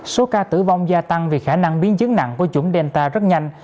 số ca tử vong gia tăng vì khả năng biến chứng nặng của chủng delta rất nhanh